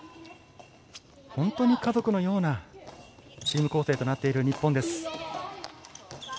本当に家族のようなチーム構成となっている日本。